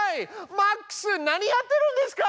マックス何やってるんですか！